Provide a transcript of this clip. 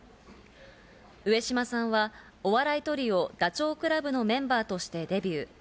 上島さんはお笑いトリオ・ダチョウ倶楽部のメンバーとしてデビュー。